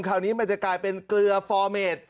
คราวนี้มันจะกลายเป็นเกลือฟอร์เมด